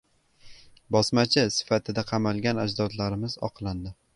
"Bosmachi" sifatida qamalgan ajdodlarimiz oqlandi